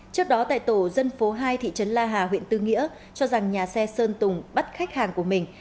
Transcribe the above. trước đó tại tổ dân phố hai thị trấn la hà huyện tư nghĩa cho rằng nhà xe sơn tùng bắt khách hàng của mình